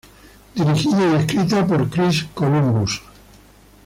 Dirigida y escrita por Chris Columbus.